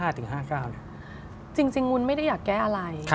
จริงวุ้นไม่ได้อยากแก้อะไร